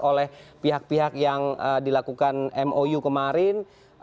oleh pihak pihak yang dilakukan mou kemarin